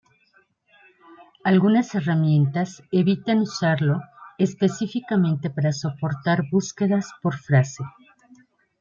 Algunas herramientas evitan usarlo específicamente para soportar búsquedas por frase.